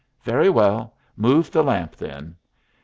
"Very well, move the lamp then."